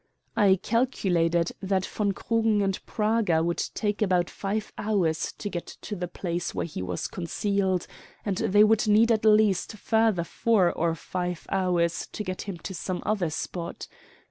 I calculated that von Krugen and Praga would take about five hours to get to the place where he was concealed, and they would need at least further four or five hours to get him to some other spot.